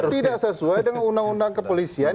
tidak sesuai dengan undang undang kepolisian